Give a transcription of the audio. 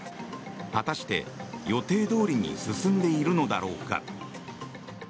果たして、予定どおりに進んでいるのだろうか。